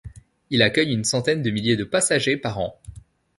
Il accueille une centaine de milliers de passagers par an.